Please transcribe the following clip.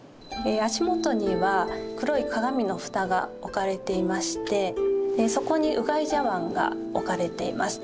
足元には黒い鏡の蓋が置かれていましてそこにうがい茶わんが置かれています。